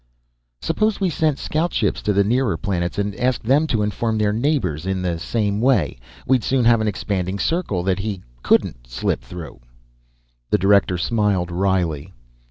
"Suppose we sent scout ships to the nearer planets and asked them to inform their neighbors in the same way. We'd soon have an expanding circle that he couldn't slip through." The Director smiled wryly.